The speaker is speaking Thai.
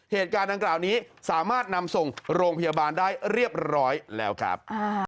เหตุการณ์ดังกล่าวนี้สามารถนำส่งโรงพยาบาลได้เรียบร้อยแล้วครับ